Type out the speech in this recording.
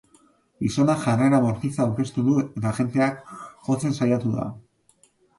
Gizona jarrera bortitza aurkeztu du eta agenteak jotzen saiatu da.